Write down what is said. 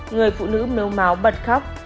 người phụ nữ nấu máu bật khóc